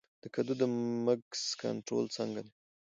د کدو د مګس کنټرول څنګه دی؟